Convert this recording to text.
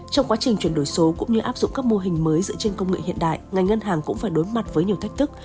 trong quá trình chuyển đổi số cũng như áp dụng các mô hình mới dựa trên công nghệ hiện đại ngành ngân hàng cũng phải đối mặt với nhiều thách thức